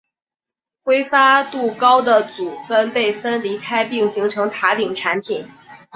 挥发度高的组分被分离开并形成塔顶产品。